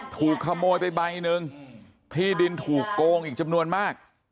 ถูกขโมยไปใบหนึ่งที่ดินถูกโกงอีกจำนวนมาก